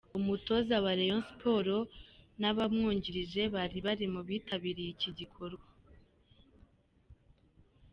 Umutoza wa Rayon Sports n'abamwungirije bari bari mu bitabiriye iki gikorwa.